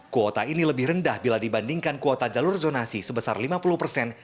kuota ini lebih rendah bila dibandingkan kuota jalur zonasi sebesar lima puluh persen